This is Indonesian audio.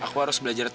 aku selalu berhenti